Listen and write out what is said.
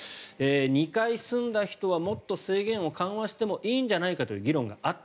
２回済んだ人はもっと制限を緩和してもいいんじゃないかという議論があった。